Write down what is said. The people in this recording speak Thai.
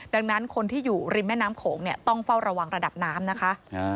ดังนั้นคนที่อยู่ริมแม่น้ำโขงเนี่ยต้องเฝ้าระวังระดับน้ำนะคะ